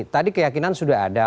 tadi keyakinan sudah ada